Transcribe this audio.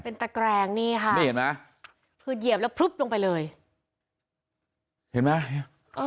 เป็นตะแกรงนี่ค่ะนี่เห็นไหมคือเหยียบแล้วพลึบลงไปเลยเห็นไหมเออ